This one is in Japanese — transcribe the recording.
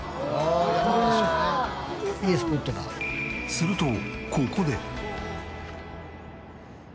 するとここで。